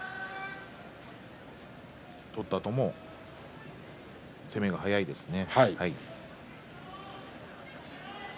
取ったあとも攻めが速いですね。